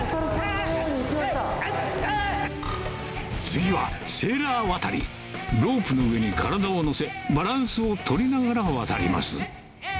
次はロープの上に体を乗せバランスを取りながら渡ります